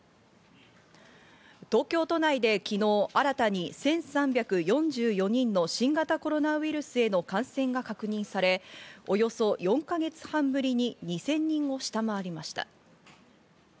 東京都内で昨日新たに１３４４人の新型コロナウイルスへの感染が確認され、およそ４か月半ぶりに２０００人を下回りました。